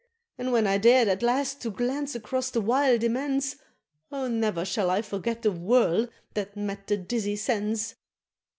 And when I dared at last to glance across the wild immense, Oh ne'er shall I forget the whirl that met the dizzy sense!